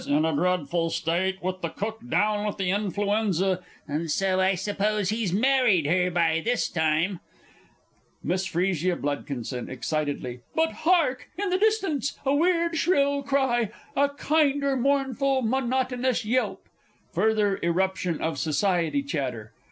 in a dreadful state, with the cook down with influenza ... and so I suppose he's married her by this time! MISS F. B. (excitedly). But hark! in the distance a weird shrill cry, a kinder mournful, monotonous yelp (Further irruption of SOCIETY CHATTER)